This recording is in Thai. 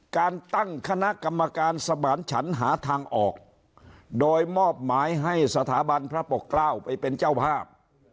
การตั้งคณะกรรมการสมานฉันหาทางออกโดยมอบหมายให้สถาบันพระปกเกล้าไปเป็นเจ้าภาพ